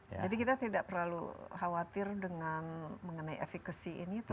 jadi kita tidak terlalu khawatir dengan mengenai efekasi ini